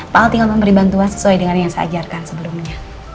pak al tinggal memberi bantuan sesuai dengan yang saya ajarkan sebelumnya